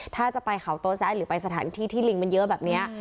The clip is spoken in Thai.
ถ้าจะไปเขาโตแซะหรือไปสถานที่ที่ลิงมันเยอะแบบนี้